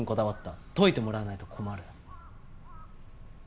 解いてもらわないと困る。